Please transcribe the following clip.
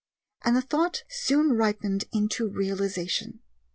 And the thought soon ripened into realization.